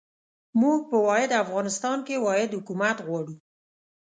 موږ په واحد افغانستان کې واحد حکومت غواړو.